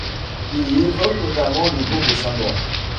Il y évoque notamment le jour de sa mort.